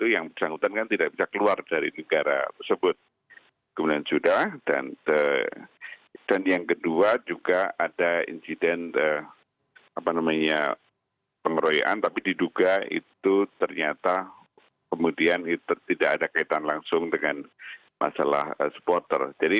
ya pengerian tapi diduga itu ternyata kemudian tidak ada kaitan langsung dengan masalah supporter